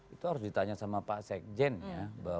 itu harus ditanya sama pak sekjen ya